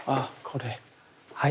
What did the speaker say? はい。